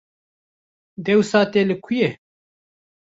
Dewsa te li ku ye?